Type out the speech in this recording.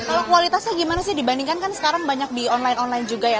kalau kualitasnya gimana sih dibandingkan kan sekarang banyak di online online juga ya